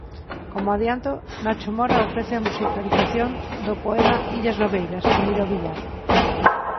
Como adianto, Nacho Mora ofrece a musicalización do poema Illas Lobeiras de Miro Villar.